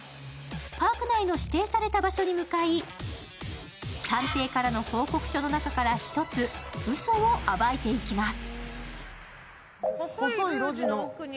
パーク内の指定された場所に向かい探偵からの報告書の中から１つ、うそを暴いていきます。